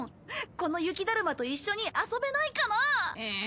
この雪だるまと一緒に遊べないかな？え？